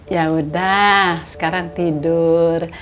yaudah sekarang tidur